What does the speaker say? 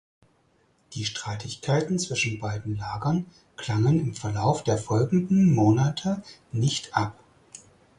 Die Streitigkeiten zwischen beiden Lagern klangen im Verlauf der folgenden Monate nicht ab.